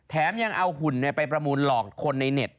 ยังเอาหุ่นไปประมูลหลอกคนในเน็ต